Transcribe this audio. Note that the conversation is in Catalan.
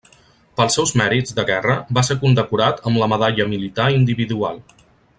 Pels seus mèrits de guerra va ser condecorat amb la Medalla Militar Individual.